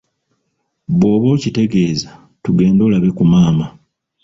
Bw'oba okitegeeza, tugende olaba ku maama.